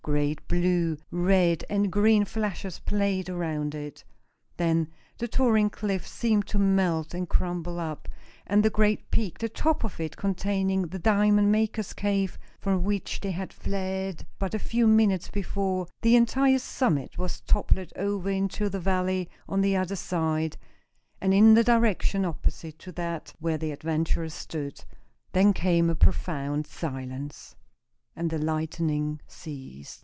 Great blue, red and green flashes played around it. Then the towering cliff seemed to melt and crumble up, and the great peak, the top of it containing the diamond makers' cave, from which they had fled but a few minutes before, the entire summit was toppled over into the valley on the other side, and in the direction opposite to that where the adventurers stood. Then came a profound silence, and the lightning ceased.